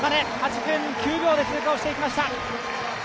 ８分９秒で通過をしていきました。